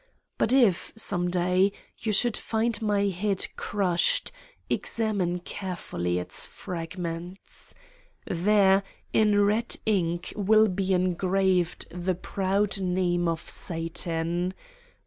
But if, some day, you should find my head crushed, examine carefully its fragments: there, in red ink will be engraved the proud name of Satan